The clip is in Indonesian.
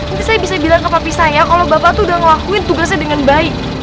ini saya bisa bilang ke papi saya kalau bapak tuh udah ngelakuin tugasnya dengan baik